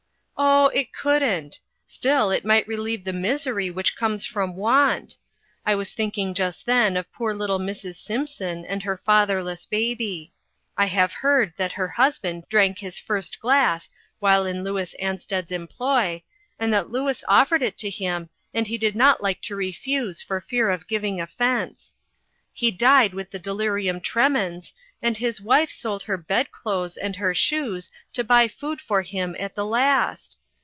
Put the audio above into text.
"Oh, it couldn't. Still, it might relieve the misery which comes from want. I was thinking just then of poor little Mrs. Simp son and her fatherless baby. I have heard that her husband drank his first glass while in Lonis Ansted's employ, and that Louis offered it to him, and he did not like to refuse for fear of giving offense. He died 4IO INTERRUPTED. with the delirium tremens, and his wife sold her bedclothes and her shoes to buy food for him at the last.